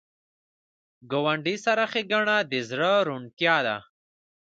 ګاونډي سره ښېګڼه د زړه روڼتیا ده